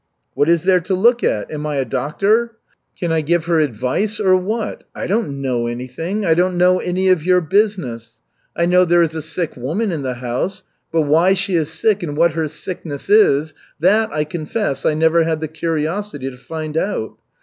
"What is there to look at? Am I a doctor? Can I give her advice, or what? I don't know anything, I don't know any of your business. I know there is a sick woman in the house, but why she is sick and what her sickness is, that, I confess, I never had the curiosity to find out.